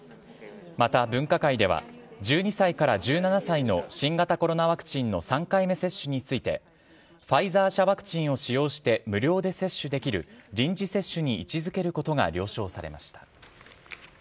また、分科会では１２歳から１７歳の新型コロナワクチンの３回目接種についてファイザー社ワクチンを使用して無料で接種できる臨時接種に位置付けることが了承されました。